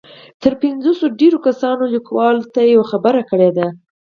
تر پنځوس ډېرو کسانو ليکوال ته يوه خبره کړې ده.